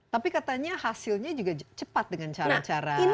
tapi katanya hasilnya juga cepat dengan cara cara